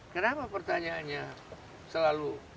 kenapa pertanyaannya selalu